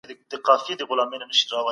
ځوان پاتې کېدو لپاره زعفران ښه دي.